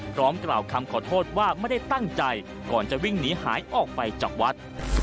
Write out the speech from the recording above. กล่าวคำขอโทษว่าไม่ได้ตั้งใจก่อนจะวิ่งหนีหายออกไปจากวัด